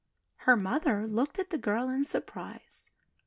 Her mother looked at the little girl in surprise.